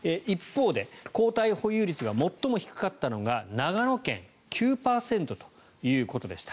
一方で抗体保有率が最も低かったのが長野県９％ということでした。